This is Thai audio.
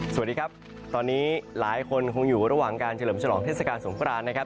สวัสดีครับตอนนี้หลายคนคงอยู่ระหว่างการเฉลิมฉลองเทศกาลสงครานนะครับ